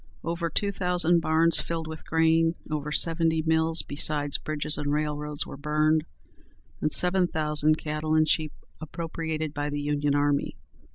Over two thousand barns filled with grain, over seventy mills, besides bridges and railroads were burned, and seven thousand cattle and sheep appropriated by the Union army.